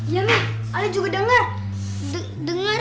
iya ma ali juga dengar